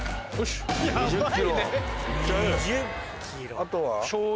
あとは？